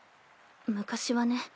昔はね。